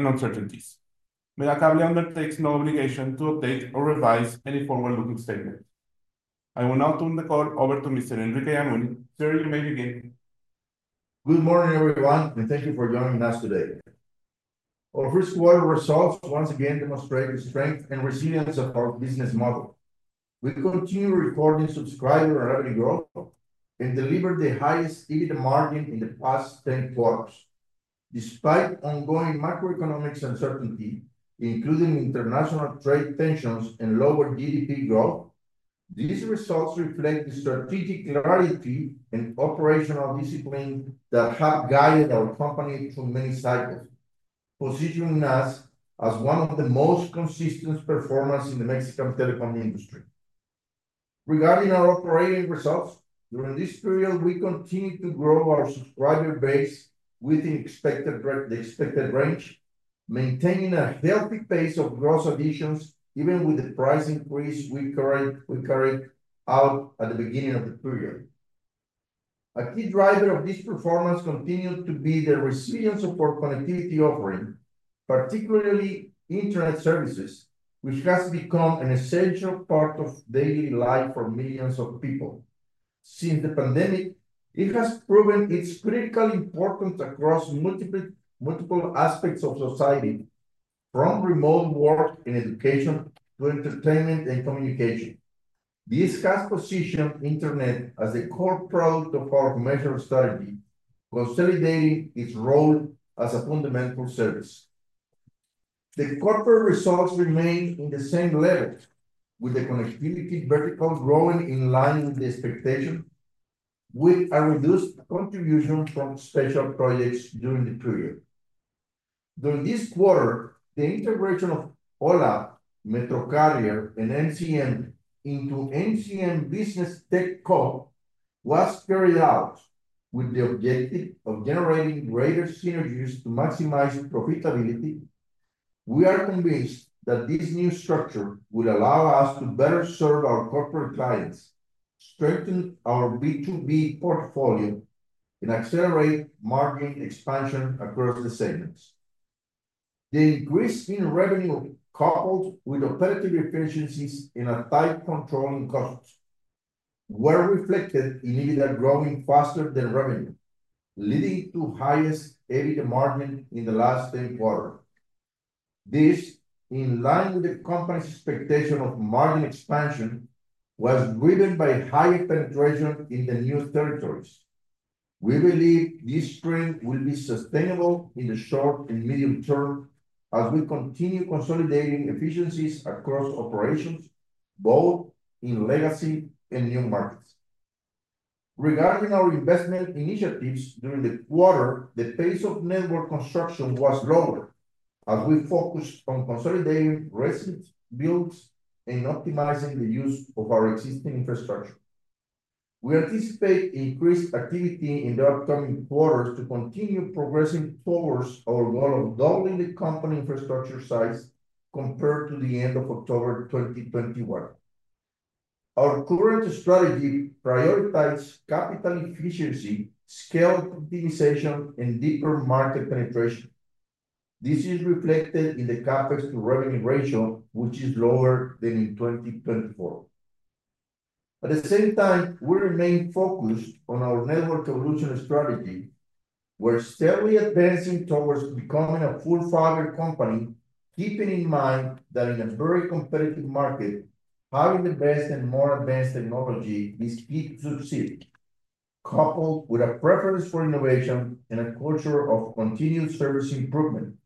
Megacable Holdings takes no obligation to update or revise any forward-looking statement. I will now turn the call over to Mr. Enrique Yamuni. Sir, you may begin. Good morning, everyone, and thank you for joining us today. Our first quarter results once again demonstrate the strength and resilience of our business model. We continue recording subscriber revenue growth and delivered the highest EBITDA margin in the past 10 quarters. Despite ongoing macroeconomic uncertainty, including international trade tensions and lower GDP growth, these results reflect the strategic clarity and operational discipline that have guided our company through many cycles, positioning us as one of the most consistent performers in the Mexican telecom industry. Regarding our operating results, during this period, we continue to grow our subscriber base within the expected range, maintaining a healthy pace of gross additions even with the price increase we carried out at the beginning of the period. A key driver of this performance continued to be the resilience of our connectivity offering, particularly internet services, which has become an essential part of daily life for millions of people. Since the pandemic, it has proven its critical importance across multiple aspects of society, from remote work and education to entertainment and communication. This has positioned internet as the core product of our commercial strategy, consolidating its role as a fundamental service. The corporate results remain in the same level, with the connectivity vertical growing in line with the expectation, with a reduced contribution from special projects during the period. During this quarter, the integration of Ho1a, MetroCarrier, and MCM into MCM Business Tech-Co was carried out with the objective of generating greater synergies to maximize profitability. We are convinced that this new structure will allow us to better serve our corporate clients, strengthen our B2B portfolio, and accelerate margin expansion across the segments. The increase in revenue, coupled with operative efficiencies and a tight control in costs, were reflected in EBITDA growing faster than revenue, leading to the highest EBITDA margin in the last 10 quarters. This, in line with the company's expectation of margin expansion, was driven by higher penetration in the new territories. We believe this trend will be sustainable in the short and medium term as we continue consolidating efficiencies across operations, both in legacy and new markets. Regarding our investment initiatives during the quarter, the pace of network construction was slower as we focused on consolidating recent builds and optimizing the use of our existing infrastructure. We anticipate increased activity in the upcoming quarters to continue progressing towards our goal of doubling the company infrastructure size compared to the end of October 2021. Our current strategy prioritizes capital efficiency, scale optimization, and deeper market penetration. This is reflected in the CapEx to revenue ratio, which is lower than in 2024. At the same time, we remain focused on our network evolution strategy, where steadily advancing towards becoming a full-fiber company, keeping in mind that in a very competitive market, having the best and more advanced technology is key to succeed, coupled with a preference for innovation and a culture of continued service improvement.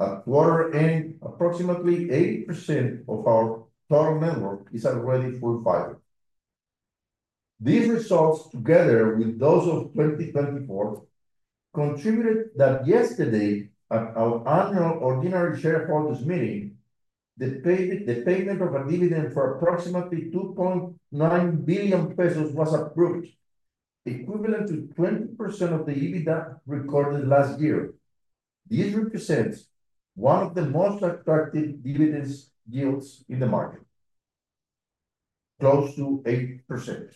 At quarter end, approximately 80% of our total network is already full-fiber. These results, together with those of 2024, contributed to that yesterday, at our Annual Ordinary Shareholders Meeting, the payment of a dividend for approximately 2.9 billion pesos was approved, equivalent to 20% of the EBITDA recorded last year. This represents one of the most attractive dividend yields in the market, close to 80%.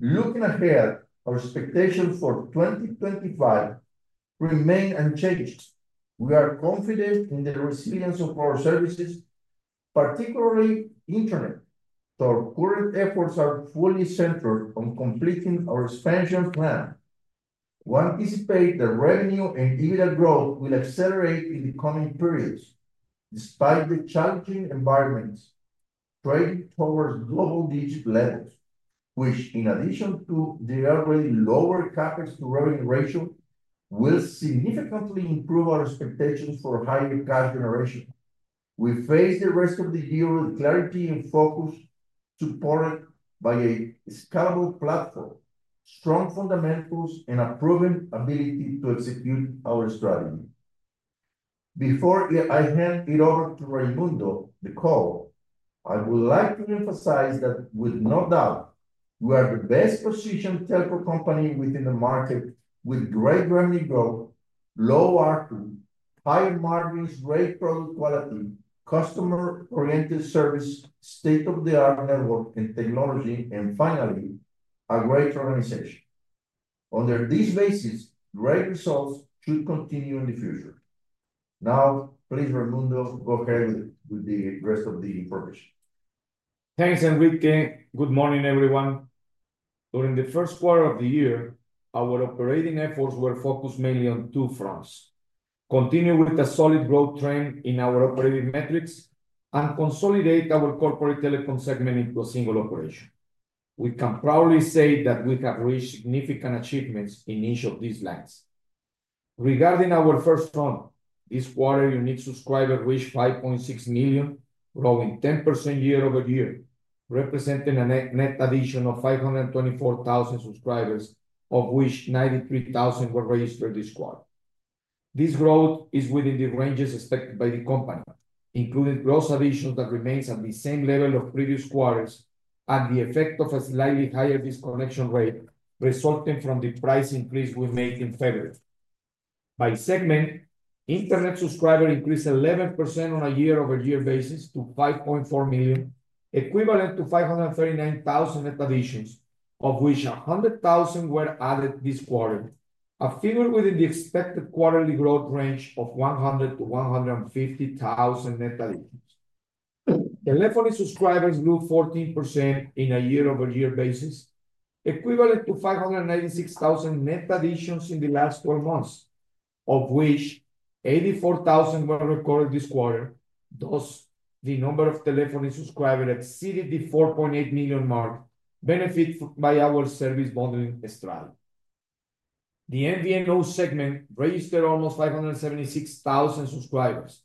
Looking ahead, our expectations for 2025 remain unchanged. We are confident in the resilience of our services, particularly internet, so our current efforts are fully centered on completing our expansion plan. We anticipate that revenue and EBITDA growth will accelerate in the coming periods, despite the challenging environments, trending towards double digit levels, which, in addition to the already lower CapEx to revenue ratio, will significantly improve our expectations for higher cash generation. We face the rest of the year with clarity and focus, supported by a scalable platform, strong fundamentals, and a proven ability to execute our strategy. Before I hand it over to Raymundo, the call, I would like to emphasize that, with no doubt, we are the best-positioned telco company within the market, with great revenue growth, low ARPU, high margins, great product quality, customer-oriented service, state-of-the-art network and technology, and finally, a great organization. Under these bases, great results should continue in the future. Now, please, Raymundo, go ahead with the rest of the information. Thanks, Enrique. Good morning, everyone. During the first quarter of the year, our operating efforts were focused mainly on two fronts: continue with a solid growth trend in our operating metrics and consolidate our corporate telecom segment into a single operation. We can proudly say that we have reached significant achievements in each of these lines. Regarding our first run, this quarter, unique subscriber reached 5.6 million, growing 10% year over year, representing a net addition of 524,000 subscribers, of which 93,000 were registered this quarter. This growth is within the ranges expected by the company, including gross additions that remain at the same level of previous quarters at the effect of a slightly higher disconnection rate resulting from the price increase we made in February. By segment, internet subscriber increased 11% on a year-over-year basis to 5.4 million, equivalent to 539,000 net additions, of which 100,000 were added this quarter, a figure within the expected quarterly growth range of 100,000-150,000 net additions. Telephony subscribers grew 14% on a year-over-year basis, equivalent to 596,000 net additions in the last 12 months, of which 84,000 were recorded this quarter. Thus, the number of telephony subscribers exceeded the 4.8 million mark, benefit by our service bundling strategy. The MVNO segment registered almost 576,000 subscribers,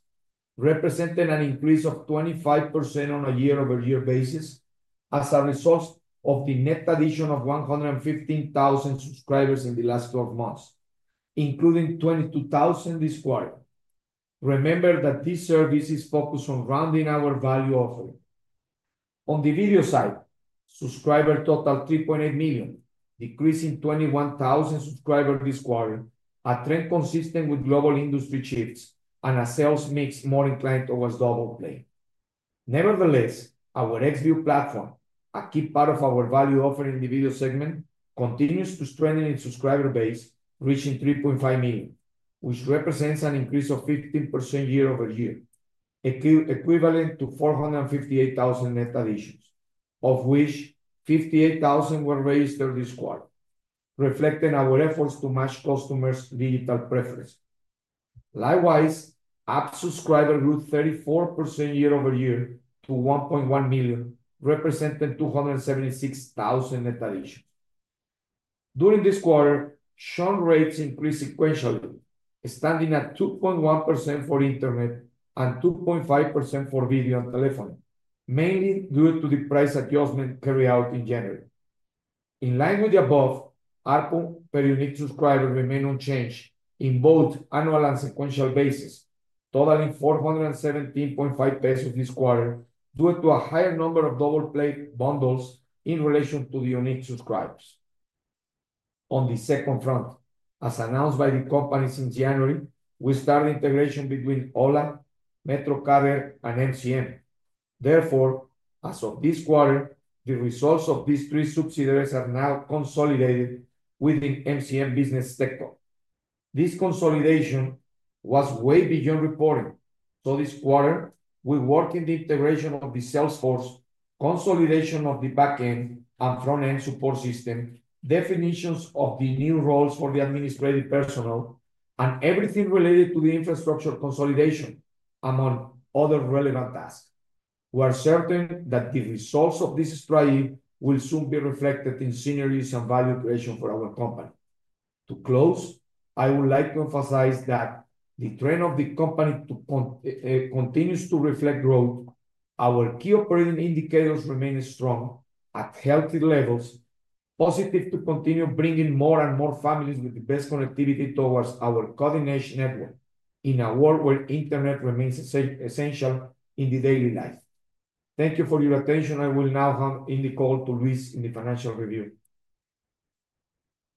representing an increase of 25% on a year-over-year basis as a result of the net addition of 115,000 subscribers in the last 12 months, including 22,000 this quarter. Remember that this service is focused on rounding our value offering. On the video side, subscriber total 3.8 million, decreasing 21,000 subscribers this quarter, a trend consistent with global industry shifts and a sales mix more inclined towards double play. Nevertheless, our Xview platform, a key part of our value offering in the video segment, continues to strengthen its subscriber base, reaching 3.5 million, which represents an increase of 15% year over year, equivalent to 458,000 net additions, of which 58,000 were registered this quarter, reflecting our efforts to match customers' digital preferences. Likewise, app subscriber grew 34% year over year to 1.1 million, representing 276,000 net additions. During this quarter, churn rates increased sequentially, standing at 2.1% for internet and 2.5% for video and telephony, mainly due to the price adjustment carried out in January. In line with the above, ARPU per unique subscriber remained unchanged in both annual and sequential bases, totaling 417.5 pesos this quarter due to a higher number of double play bundles in relation to the unique subscribers. On the second front, as announced by the companies in January, we started integration between Ho1a, MetroCarrier, and MCM. Therefore, as of this quarter, the results of these three subsidiaries are now consolidated within MCM Business Tech-Co. This consolidation was way beyond reporting. This quarter, we worked in the integration of the sales force, consolidation of the back-end and front-end support system, definitions of the new roles for the administrative personnel, and everything related to the infrastructure consolidation, among other relevant tasks. We are certain that the results of this strategy will soon be reflected in synergies and value creation for our company. To close, I would like to emphasize that the trend of the company continues to reflect growth. Our key operating indicators remain strong at healthy levels, positive to continue bringing more and more families with the best connectivity towards our cutting-edge network in a world where Internet remains essential in daily life. Thank you for your attention. I will now hand the call to Luis in the financial review.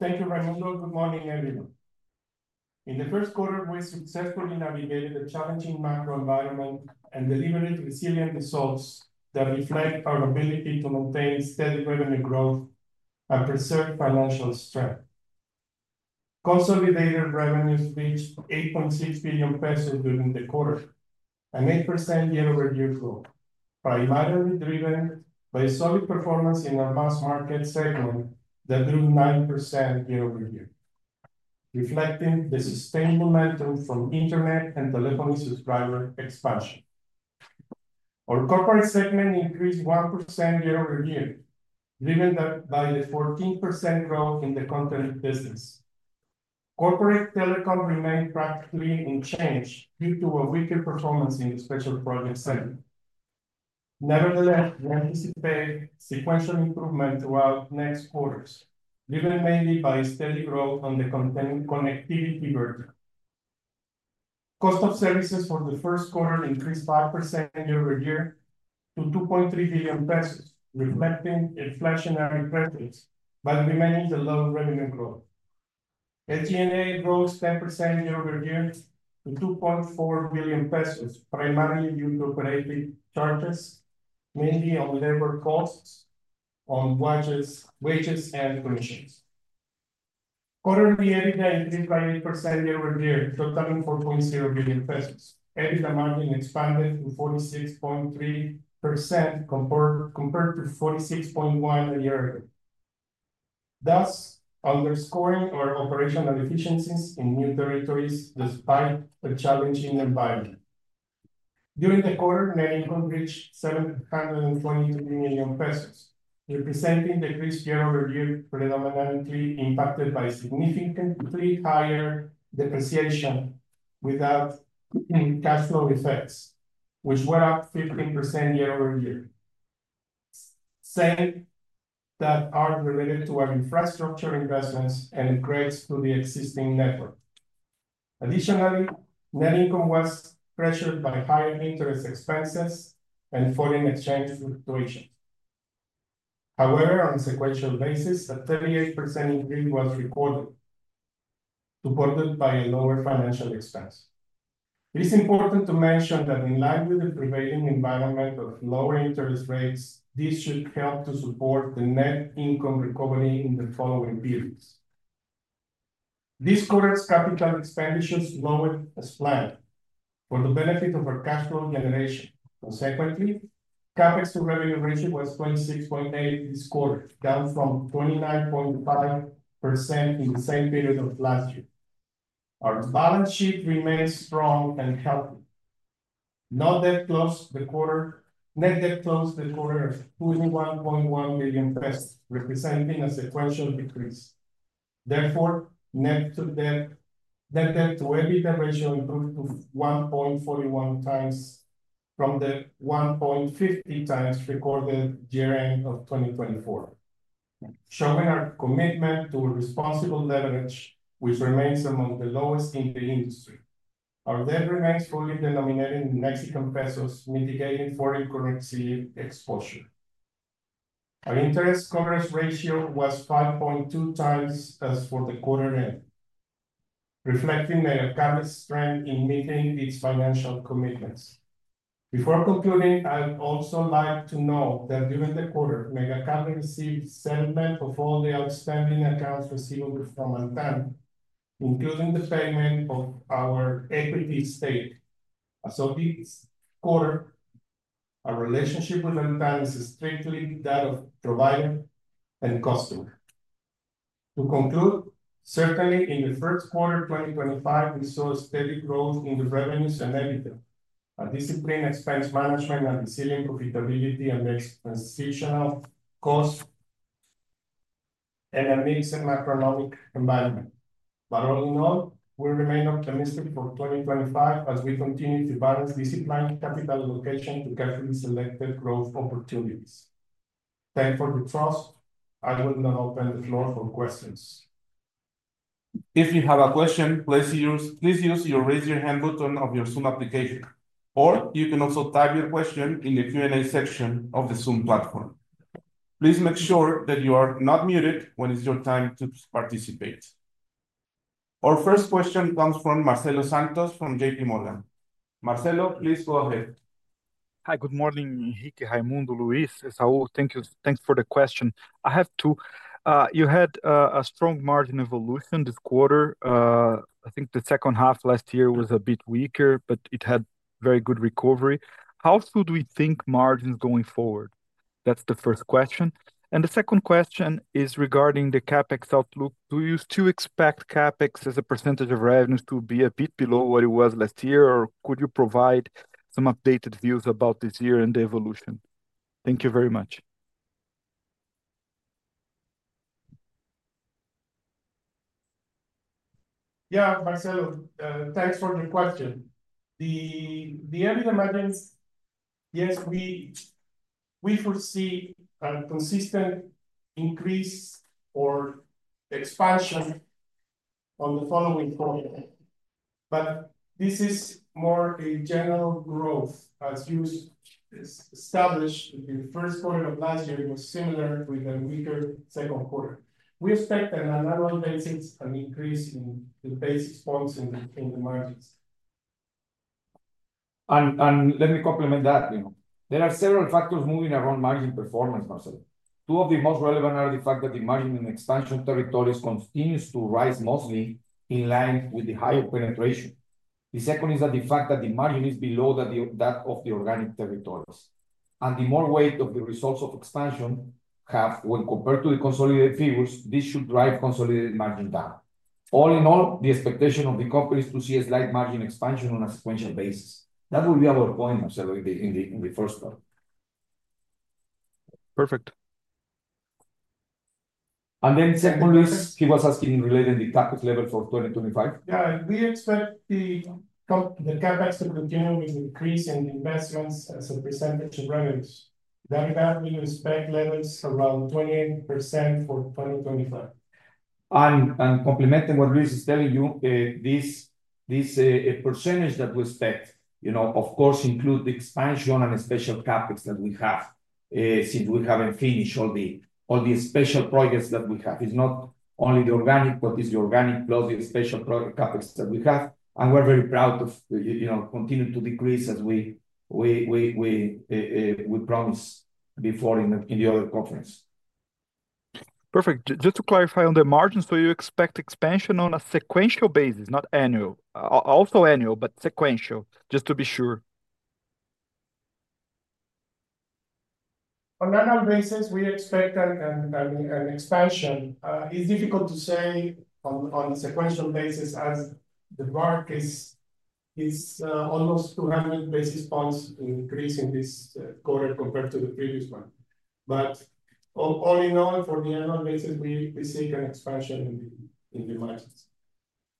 Thank you, Raymundo. Good morning, everyone. In the first quarter, we successfully navigated a challenging macro environment and delivered resilient results that reflect our ability to maintain steady revenue growth and preserve financial strength. Consolidated revenues reached 8.6 billion pesos during the quarter, an 8% year-over-year growth, primarily driven by solid performance in our mass market segment that grew 9% year-over-year, reflecting the sustained momentum from internet and telephony subscriber expansion. Our corporate segment increased 1% year-over-year, driven by the 14% growth in the content business. Corporate telecom remained practically unchanged due to a weaker performance in the special project segment. Nevertheless, we anticipate sequential improvement throughout next quarters, driven mainly by steady growth on the connectivity vertical. Cost of services for the first quarter increased 5% year-over-year to 2.3 billion pesos, reflecting inflation [pressures] but remaining the low revenue growth. SG&A grows 10% year-over-year to 2.4 billion pesos, primarily due to operating charges, mainly on labor costs, on wages, wages, and commissions. Quarterly, EBITDA increased by 8% year-over-year, totaling 4.0 billion pesos. EBITDA margin expanded to 46.3% compared to 46.1% a year ago, thus underscoring our operational efficiencies in new territories despite a challenging environment. During the quarter, net income reached 723 million pesos, representing decreased year-over-year, predominantly impacted by significantly higher depreciation without cash flow effects, which were up 15% year-over-year, same that are related to our infrastructure investments and upgrades to the existing network. Additionally, net income was pressured by higher interest expenses and foreign exchange fluctuations. However, on a sequential basis, a 38% increase was recorded, supported by a lower financial expense. It is important to mention that in line with the prevailing environment of lower interest rates, this should help to support the net income recovery in the following periods. This quarter's capital expenditures lowered as planned for the benefit of our cash flow generation. Consequently, CapEx to revenue ratio was 26.8% this quarter, down from 29.5% in the same period of last year. Our balance sheet remains strong and healthy. Net debt closed the quarter at 21.1 billion pesos, representing a sequential decrease. Therefore, net debt to EBITDA ratio improved to 1.41 times from the 1.50 times recorded year-end of 2024, showing our commitment to responsible leverage, which remains among the lowest in the industry. Our debt remains fully denominated in Mexican pesos, mitigating foreign currency exposure. Our interest coverage ratio was 5.2 times as for the quarter-end, reflecting Megacable's strength in meeting its financial commitments. Before concluding, I'd also like to note that during the quarter, Megacable received settlement of all the outstanding accounts receivable from Altán, including the payment of our equity stake. As of this quarter, our relationship with Altán is strictly that of provider and customer. To conclude, certainly in the first quarter of 2025, we saw a steady growth in the revenues and EBITDA, a disciplined expense management and resilient profitability and exceptional cost and a mixed macroeconomic environment. All in all, we remain optimistic for 2025 as we continue to balance disciplined capital allocation to carefully selected growth opportunities. Thank you for the trust. I will now open the floor for questions. If you have a question, please use your raise your hand button of your Zoom application, or you can also type your question in the Q&A section of the Zoom platform. Please make sure that you are not muted when it's your time to participate. Our first question comes from Marcelo Santos from JPMorgan. Marcelo, please go ahead. Hi, good morning, Enrique, Raymundo, Luis, Saul. Thank you. Thanks for the question. I have two. You had a strong margin evolution this quarter. I think the second half last year was a bit weaker, but it had very good recovery. How should we think margins going forward? That is the first question. The second question is regarding the CapEx outlook. Do you still expect CapEx as a percentage of revenues to be a bit below what it was last year, or could you provide some updated views about this year and the evolution? Thank you very much. Yeah, Marcelo, thanks for the question. The EBITDA margins, yes, we foresee a consistent increase or expansion on the following quarter. This is more a general growth, as you established in the first quarter of last year, was similar with a weaker second quarter. We expect an annual basis an increase in the basis points in the margins. Let me complement that. There are several factors moving around margin performance, Marcelo. Two of the most relevant are the fact that the margin in expansion territories continues to rise mostly in line with the higher penetration. The second is that the fact that the margin is below that of the organic territories. The more weight the results of expansion have, when compared to the consolidated figures, this should drive consolidated margin down. All in all, the expectation of the company is to see a slight margin expansion on a sequential basis. That will be our point, Marcelo, in the first quarter. Perfect. Second, Luis, he was asking related to the CapEx level for 2025. Yeah, we expect the CapEx to continue with increase in investments as a percentage of revenues. That will expect levels around 28% for 2025. Complementing what Luis is telling you, this percentage that we expect, of course, includes the expansion and the special CapEx that we have since we have not finished all the special projects that we have. It is not only the organic, but it is the organic plus the special CapEx that we have. We are very proud of continuing to decrease as we promised before in the other conference. Perfect. Just to clarify on the margins, do you expect expansion on a sequential basis, not annual? Also annual, but sequential, just to be sure. On annual basis, we expect an expansion. It's difficult to say on a sequential basis as the mark is almost 200 basis points increase in this quarter compared to the previous one. All in all, for the annual basis, we see an expansion in the margins.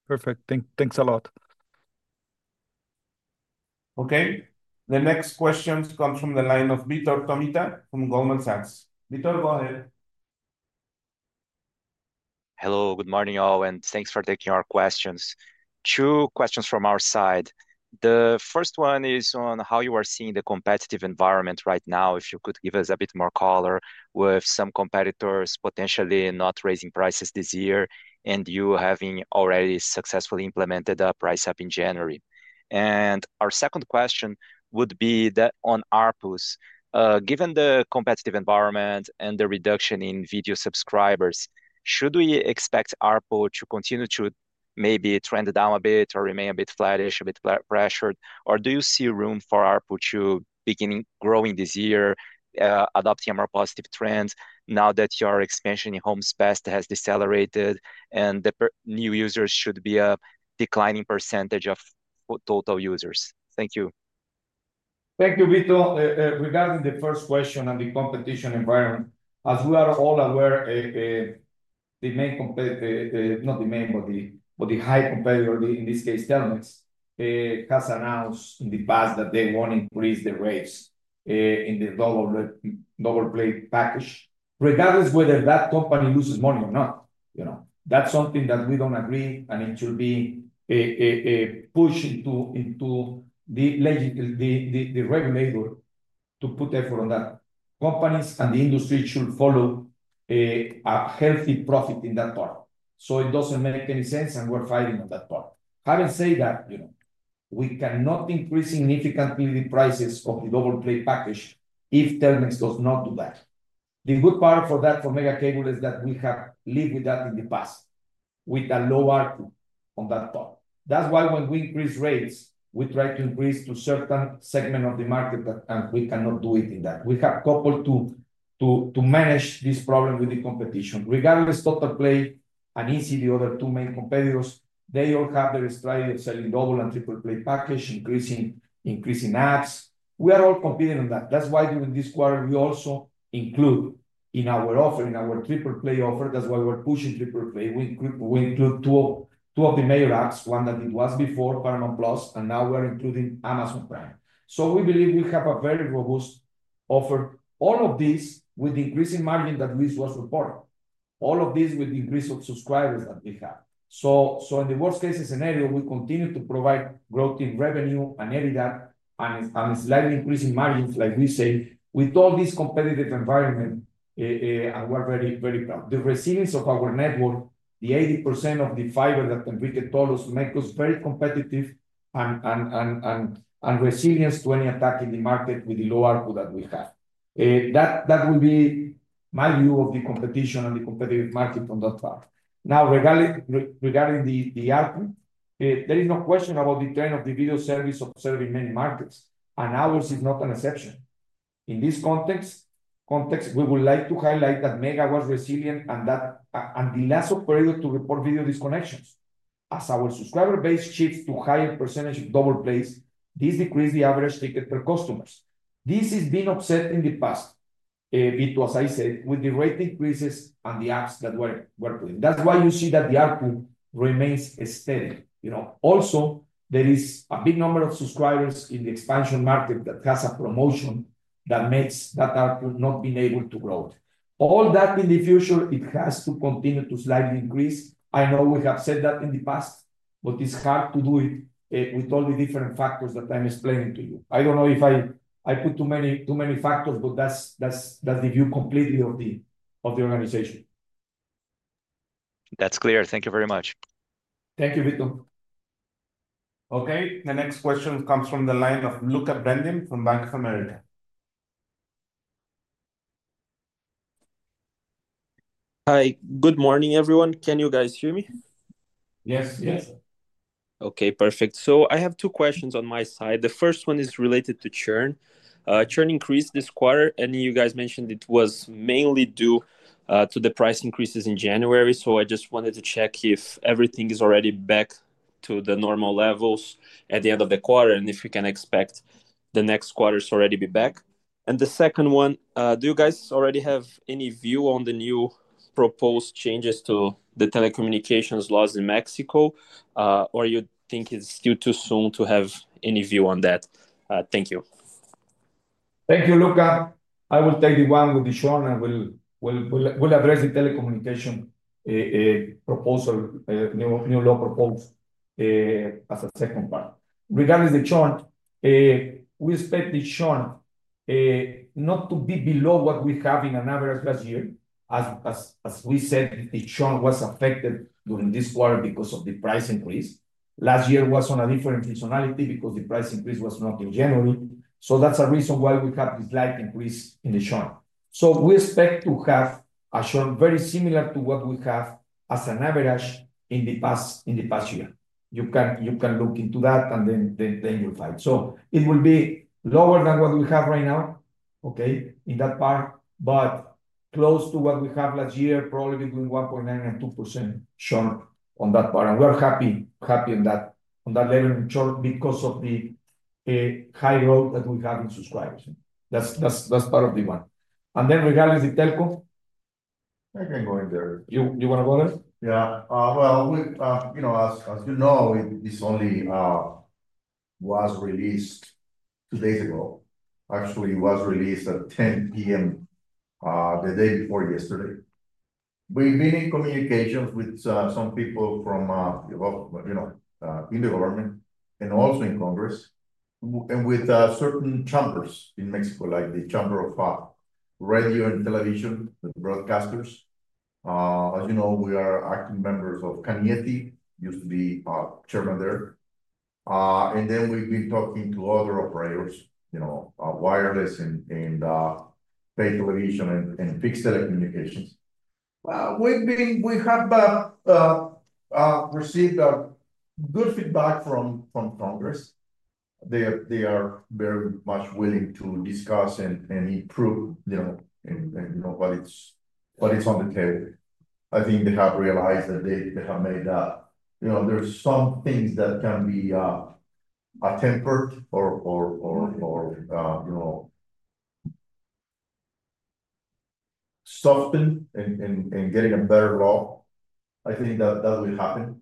Perfect. Thanks a lot. Okay. The next question comes from the line of Vitor Tomita from Goldman Sachs. Vitor, go ahead. Hello, good morning, all, and thanks for taking our questions. Two questions from our side. The first one is on how you are seeing the competitive environment right now, if you could give us a bit more color with some competitors potentially not raising prices this year and you having already successfully implemented a price up in January. Our second question would be that on ARPUs, given the competitive environment and the reduction in video subscribers, should we expect ARPU to continue to maybe trend down a bit or remain a bit flattish, a bit pressured, or do you see room for ARPU to begin growing this year, adopting a more positive trend now that your expansion in home passed has decelerated and the new users should be a declining percentage of total users? Thank you. Thank you, Vitor. Regarding the first question and the competition environment, as we are all aware, the main competitor, not the main, but the high competitor, in this case, Telmex, has announced in the past that they want to increase the rates in the double play package, regardless whether that company loses money or not. That's something that we don't agree, and it should be pushed into the regulator to put effort on that. Companies and the industry should follow a healthy profit in that part. It doesn't make any sense, and we're fighting on that part. Having said that, we cannot increase significantly the prices of the double play package if Telmex does not do that. The good part for that for Megacable is that we have lived with that in the past with a low ARPU on that part. That's why when we increase rates, we try to increase to a certain segment of the market, and we cannot do it in that. We have coupled to manage this problem with the competition. Regardless, double play and Izzi, the other two main competitors, they all have their strategy of selling double and triple-play package, increasing apps. We are all competing on that. That is why during this quarter, we also include in our offer, in our triple-play offer, that is why we're pushing triple-play. We include two of the major apps, one that it was before, Paramount Plus, and now we are including Amazon Prime. We believe we have a very robust offer. All of this with the increasing margin that Luis was reporting, all of this with the increase of subscribers that we have. In the worst-case scenario, we continue to provide growth in revenue and EBITDA and slightly increasing margins, like we say, with all this competitive environment, and we're very, very proud. The resilience of our network, the 80% of the fiber that Enrique told us makes us very competitive and resilient to any attack in the market with the low ARPU that we have. That will be my view of the competition and the competitive market on that part. Now, regarding the ARPU, there is no question about the trend of the video service observed in many markets, and ours is not an exception. In this context, we would like to highlight that Mega was resilient and that in the last operator to report video disconnections. As our subscriber base shifts to a higher percentage of double plays, this decreased the average ticket per customer. This has been upset in the past, Vitor, as I said, with the rate increases and the apps that were put in. That's why you see that the ARPU remains steady. Also, there is a big number of subscribers in the expansion market that has a promotion that makes that ARPU not being able to grow. All that in the future, it has to continue to slightly increase. I know we have said that in the past, but it's hard to do it with all the different factors that I'm explaining to you. I don't know if I put too many factors, but that's the view completely of the organization. That's clear. Thank you very much. Thank you, Vitor. Okay, the next question comes from the line of Lucca Brendim from Bank of America. Hi, good morning, everyone. Can you guys hear me? Yes, yes. Okay, perfect. I have two questions on my side. The first one is related to churn. Churn increased this quarter, and you guys mentioned it was mainly due to the price increases in January. I just wanted to check if everything is already back to the normal levels at the end of the quarter and if we can expect the next quarter to already be back. The second one, do you guys already have any view on the new proposed changes to the telecommunications laws in Mexico, or you think it's still too soon to have any view on that? Thank you. Thank you, Lucca. I will take the one with the churn and we'll address the telecommunication proposal, new law proposed as a second part. Regarding the churn, we expect the churn not to be below what we have in an average last year. As we said, the churn was affected during this quarter because of the price increase. Last year was on a different seasonality because the price increase was not in January. That's a reason why we have this slight increase in the churn. We expect to have a churn very similar to what we have as an average in the past year. You can look into that, and then you'll find. It will be lower than what we have right now, okay, in that part, but close to what we have last year, probably between 1.9-2% churn on that part. We are happy on that level in churn because of the high growth that we have in subscribers. That is part of the one. Regarding the telco. I can go in there. You want to go there? Yeah. As you know, this only was released two days ago. Actually, it was released at 10:00 P.M. the day before yesterday. We've been in communications with some people from the government and also in Congress and with certain chambers in Mexico, like the chamber of radio and television, the broadcasters. As you know, we are active members of CANIETI, used to be chairman there. We've been talking to other operators, wireless and paid television and fixed telecommunications. We have received good feedback from Congress. They are very much willing to discuss and improve what is on the table. I think they have realized that they have made, there are some things that can be tempered or softened and getting a better law. I think that will happen.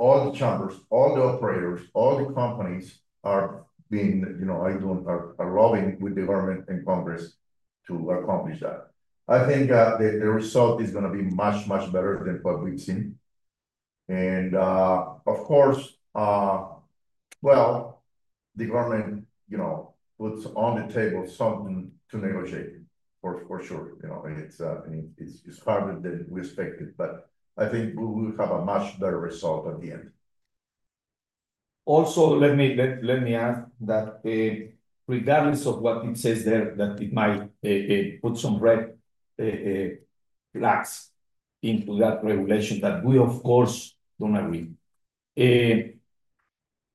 All the chambers, all the operators, all the companies are lobbying with the government and Congress to accomplish that. I think the result is going to be much, much better than what we've seen. Of course, the government puts on the table something to negotiate, for sure. It's harder than we expected, but I think we will have a much better result at the end. Also, let me add that regardless of what it says there, that it might put some red flags into that regulation that we, of course, don't agree.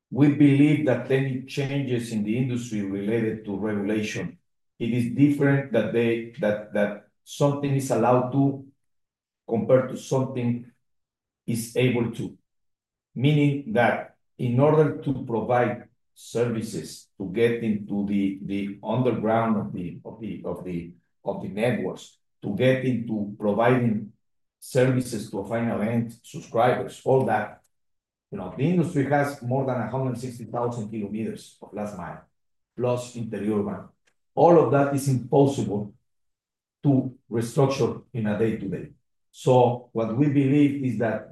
We believe that any changes in the industry related to regulation, it is different that something is allowed to compare to something is able to, meaning that in order to provide services to get into the underground of the networks, to get into providing services to final end subscribers, all that, the industry has more than 160,000 km of last mile, plus interior one. All of that is impossible to restructure in a day-to-day. What we believe is that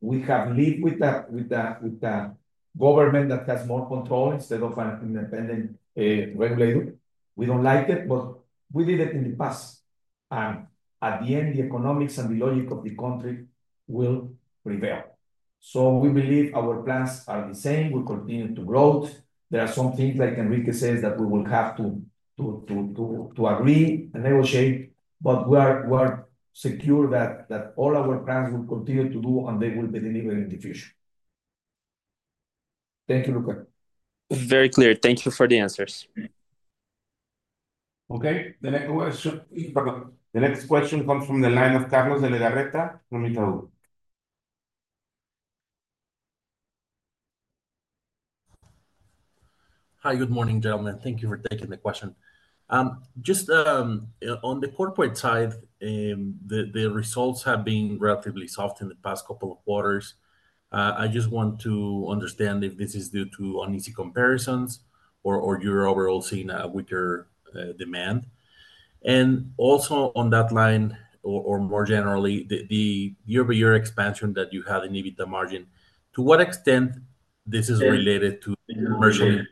we have lived with a government that has more control instead of an independent regulator. We don't like it, but we did it in the past. At the end, the economics and the logic of the country will prevail. We believe our plans are the same. We continue to grow. There are some things, like Enrique says, that we will have to agree and negotiate, but we are secure that all our plans will continue to do, and they will be delivered in the future. Thank you, Lucca. Very clear. Thank you for the answers. Okay. The next question, The next question comes from the line of Carlos de Legarreta, from Itaú. Hi, good morning, gentlemen. Thank you for taking the question. Just on the corporate side, the results have been relatively soft in the past couple of quarters. I just want to understand if this is due to uneasy comparisons or you are overall seeing a weaker demand. Also on that line, or more generally, the year-by-year expansion that you had in EBITDA margin, to what extent this is related to commercial integration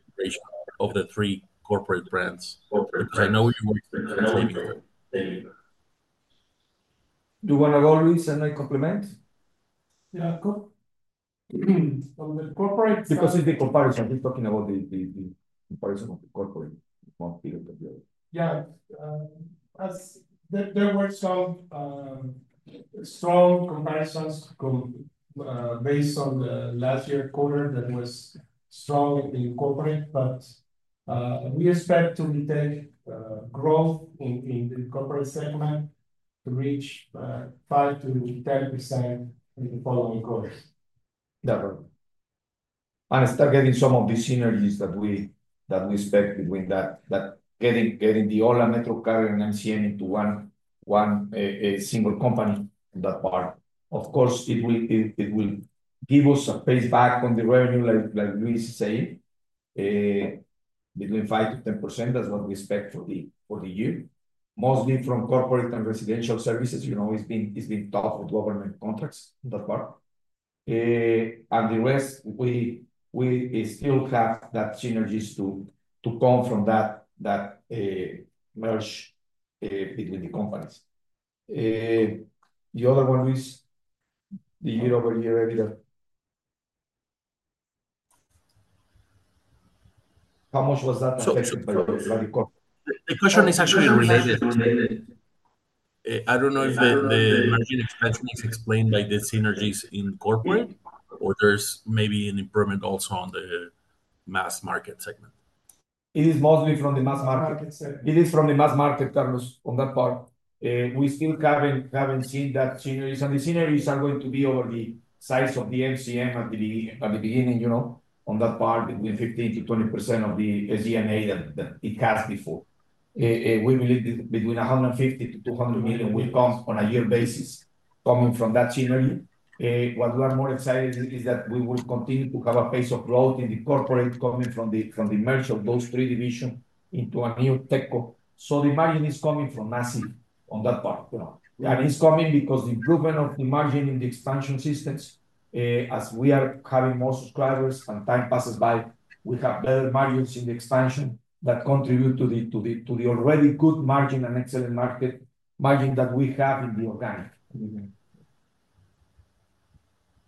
of the three corporate brands? Because I know you were expecting something. Do you want to go, Luis, and then complement? Yeah, go on. Because it's the comparison. I'm just talking about the comparison of the corporate market. Yeah. There were some strong comparisons based on the last year quarter that was strong in corporate, but we expect to retain growth in the corporate segment to reach 5-10% in the following quarter. Definitely. Start getting some of the synergies that we expect between getting the Ho1a, MetroCarrier, and MCM into one single company in that part. Of course, it will give us a phase back on the revenue, like Luis is saying, between 5-10%. That's what we expect for the year. Mostly from corporate and residential services. It's been tough with government contracts in that part. The rest, we still have that synergies to come from that merge between the companies. The other one, Luis, the year-over-year EBITDA. How much was that affected by the corporate? The question is actually related. I don't know if the margin expansion is explained by the synergies in corporate, or there's maybe an improvement also on the mass market segment. It is mostly from the mass market. It is from the mass market, Carlos, on that part. We still haven't seen that synergies. The synergies are going to be over the size of the MCM at the beginning, on that part, between 15%-20% of the SG&A that it has before. We believe between 150 million and 200 million will come on a year basis coming from that synergy. What we are more excited is that we will continue to have a phase of growth in the corporate coming from the merge of those three divisions into a new techco. The margin is coming from massive on that part. It is coming because the improvement of the margin in the expansion systems, as we are having more subscribers and time passes by, we have better margins in the expansion that contribute to the already good margin and excellent margin that we have in the organic.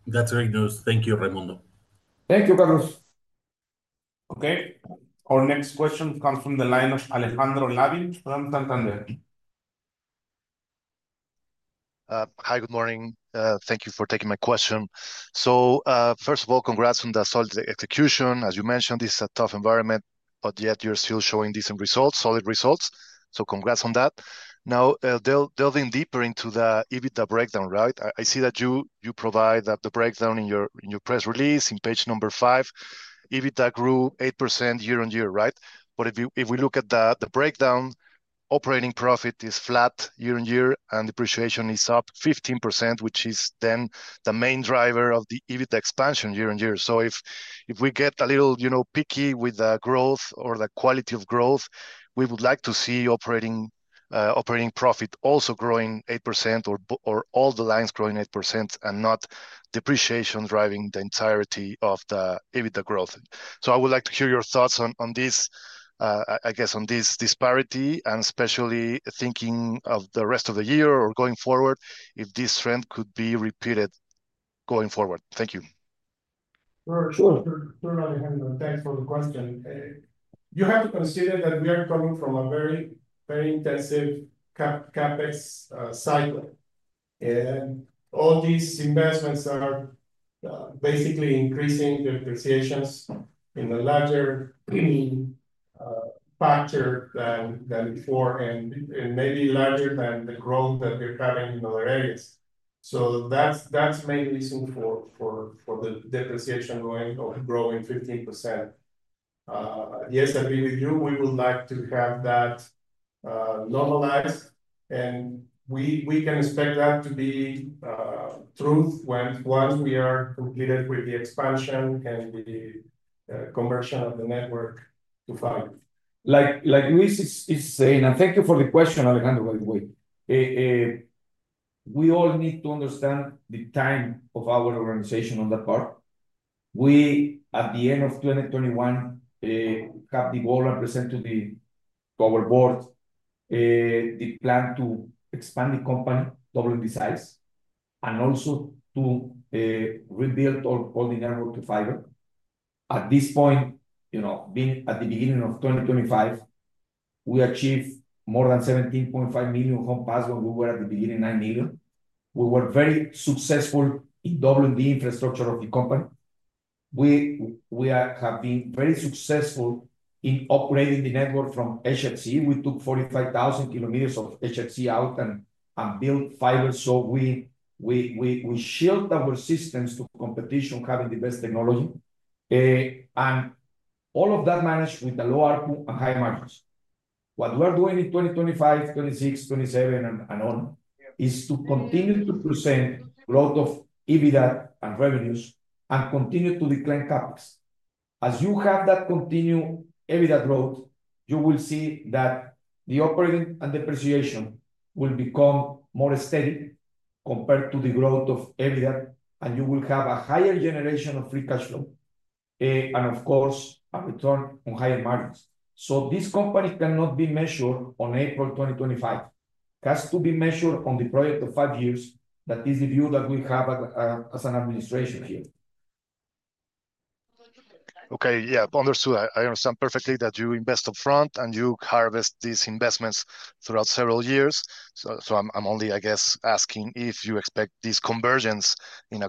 That's very good. Thank you, Raymundo. Thank you, Carlos. Okay. Our next question comes from the line of Alejandro Lavin. Hi, good morning. Thank you for taking my question. First of all, congrats on the solid execution. As you mentioned, this is a tough environment, yet you're still showing decent results, solid results. Congrats on that. Now, delving deeper into the EBITDA breakdown, right? I see that you provide the breakdown in your press release on page number five. EBITDA grew 8% year-on-year, right? If we look at the breakdown, operating profit is flat year-on-year, and depreciation is up 15%, which is then the main driver of the EBITDA expansion year-on-year. If we get a little picky with the growth or the quality of growth, we would like to see operating profit also growing 8% or all the lines growing 8% and not depreciation driving the entirety of the EBITDA growth. I would like to hear your thoughts on this, I guess, on this disparity, and especially thinking of the rest of the year or going forward, if this trend could be repeated going forward. Thank you. Sure. Sure. Thanks for the question. You have to consider that we are coming from a very, very intensive CapEx cycle. All these investments are basically increasing the depreciations in a larger factor than before and maybe larger than the growth that we're having in other areas. That's the main reason for the depreciation growing 15%. Yes, I agree with you. We would like to have that normalized, and we can expect that to be true once we are completed with the expansion and the conversion of the network to fund. Like Luis is saying, and thank you for the question, Alejandro, by the way. We all need to understand the time of our organization on that part. We, at the end of 2021, have the goal and present to our board the plan to expand the company, doubling the size, and also to rebuild all the network to fiber. At this point, being at the beginning of 2025, we achieved more than 17.5 million home passed. We were at the beginning 9 million. We were very successful in doubling the infrastructure of the company. We have been very successful in operating the network from HFC. We took 45,000 km of HFC out and built fiber. We shield our systems to competition, having the best technology. All of that managed with the low ARPU and high margins. What we are doing in 2025, 2026, 2027, and on is to continue to present growth of EBITDA and revenues and continue to decline CapEx. As you have that continue EBITDA growth, you will see that the operating and depreciation will become more steady compared to the growth of EBITDA, and you will have a higher generation of free cash flow and, of course, a return on higher margins. This company cannot be measured on April 2025. It has to be measured on the project of five years. That is the view that we have as an administration here. Okay. Yeah. Understood. I understand perfectly that you invest upfront and you harvest these investments throughout several years. I guess, I am only asking if you expect these convergences in,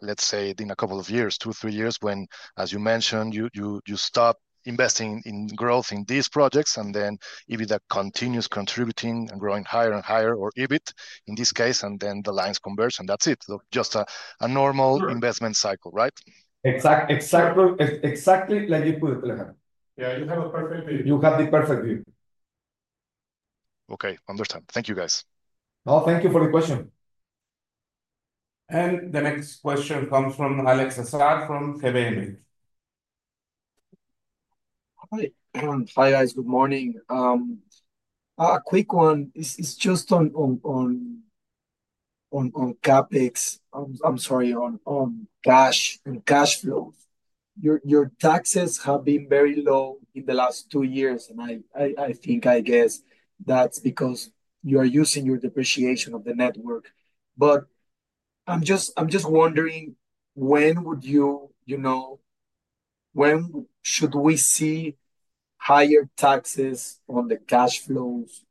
let's say, in a couple of years, two, three years, when, as you mentioned, you stop investing in growth in these projects and then EBITDA continues contributing and growing higher and higher or EBIT in this case, and then the lines converge, and that's it. Just a normal investment cycle, right? Exactly. Exactly like you put it, Alejandro. Yeah. You have a perfect view. You have the perfect view. Okay. Understood. Thank you, guys. Thank you for the question. The next question comes from [Alex from CBME]. Hi. Hi, guys. Good morning. A quick one. It's just on CapEx, I'm sorry, on cash flow. Your taxes have been very low in the last two years, and I think, I guess, that's because you are using your depreciation of the network. I'm just wondering, when should we see higher taxes on the cash flows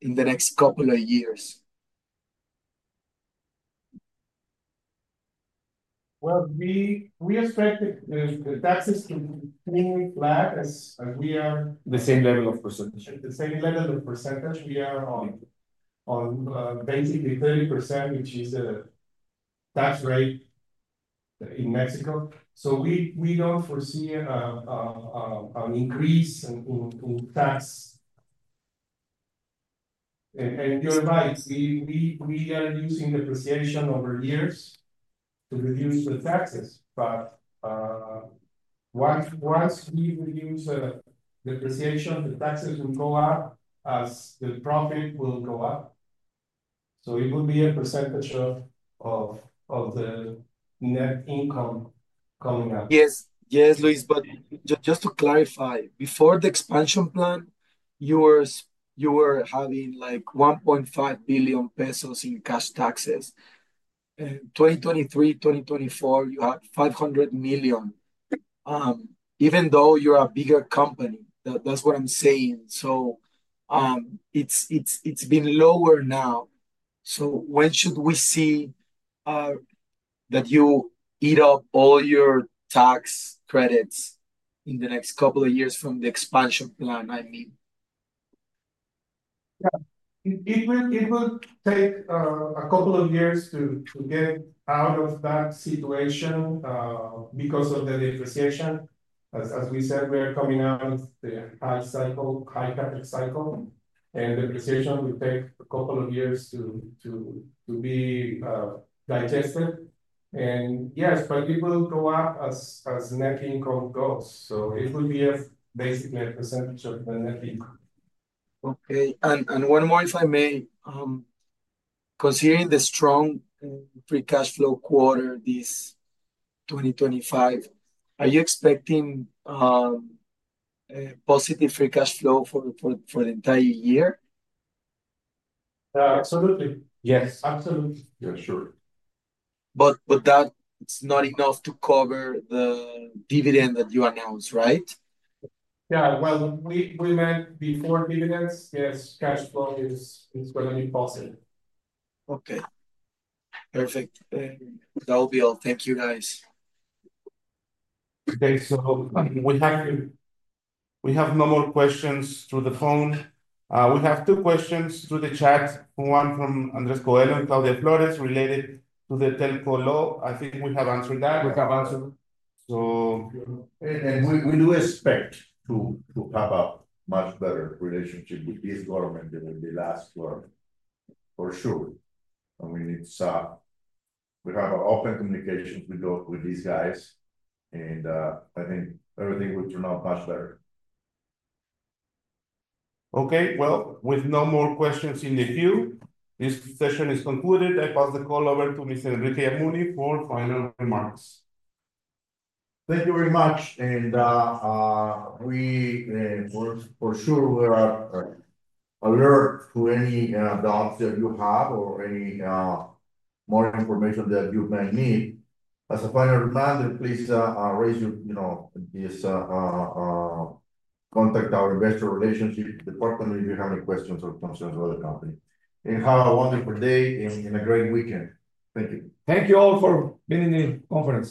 in the next couple of years? We expect the taxes to be flat as we are. The same level of percentage. The same level of percentage. We are on basically 30%, which is the tax rate in Mexico. We do not foresee an increase in tax. You are right. We are using depreciation over years to reduce the taxes. Once we reduce the depreciation, the taxes will go up as the profit will go up. It will be a percentage of the net income coming up. Yes. Yes, Luis. Just to clarify, before the expansion plan, you were having 1.5 billion pesos in cash taxes. In 2023, 2024, you had 500 million, even though you're a bigger company. That's what I'm saying. It's been lower now. When should we see that you eat up all your tax credits in the next couple of years from the expansion plan, I mean? Yeah. It will take a couple of years to get out of that situation because of the depreciation. As we said, we are coming out of the high CapEx cycle. Depreciation will take a couple of years to be digested. Yes, it will go up as net income goes. It will be basically a percentage of the net income. Okay. And one more, if I may. Considering the strong free cash flow quarter this 2025, are you expecting positive free cash flow for the entire year? Absolutely. Yes. Absolutely. Yeah. Sure. That is not enough to cover the dividend that you announced, right? Yeah. We meant before dividends, yes, cash flow is going to be positive. Okay. Perfect. That will be all. Thank you, guys. Okay. We have no more questions through the phone. We have two questions through the chat. One from Andres Coello and Claudia Flores related to the telco law. I think we have answered that. We have answered it. So. We do expect to have a much better relationship with this government than with the last one, for sure. We have open communications with these guys, and I think everything will turn out much better. Okay. With no more questions in the queue, this session is concluded. I pass the call over to Mr. Enrique Yamuni for final remarks. Thank you very much. For sure, we are alert to any doubts that you have or any more information that you may need. As a final reminder, please raise your hand. Please contact our investor relationship department if you have any questions or concerns about the company. Have a wonderful day and a great weekend. Thank you. Thank you all for being in the conference.